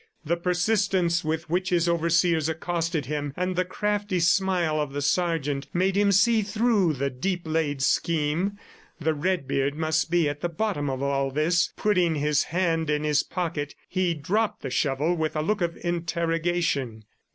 The persistence with which his overseers accosted him, and the crafty smile of the sergeant made him see through the deep laid scheme. The red beard must be at the bottom of all this. Putting his hand in his pocket he dropped the shovel with a look of interrogation.